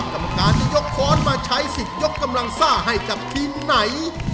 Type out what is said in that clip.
กรรมการจะยกค้อนมาใช้สิทธิ์ยกกำลังซ่าให้กับทีมไหน